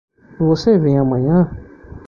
Você vem amanhã?